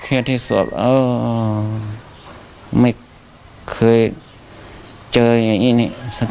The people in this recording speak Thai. อันนี้เขาไม่เคยอะไรครับ